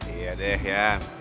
iya deh yan